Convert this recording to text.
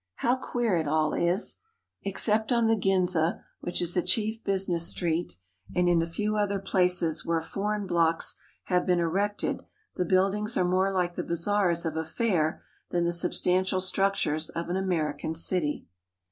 How queer it all is ! Except on the Ginza, which is the chief business street, and in a few other places where foreign blocks have been erected, the buildings are more like the bazaars of a fair than the substantial structures of an American city.